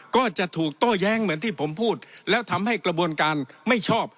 ก็จะถูกโต้แย้งเหมือนที่ผมพูดแล้วทำให้กระบวนการไม่ชอบ